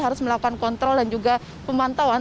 harus melakukan kontrol dan juga pemantauan